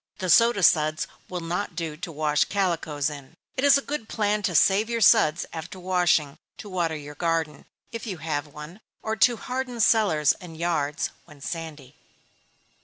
The soda suds will not do to wash calicoes in. It is a good plan to save your suds, after washing, to water your garden, if you have one, or to harden cellars and yards, when sandy.